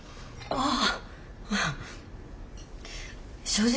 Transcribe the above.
ああ。